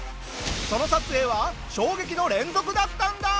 その撮影は衝撃の連続だったんだ！